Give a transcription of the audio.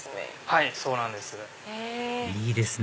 はいそうなんです。